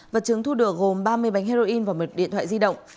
vật chứng thu được gồm ba mươi bánh heroin và một điện thoại di động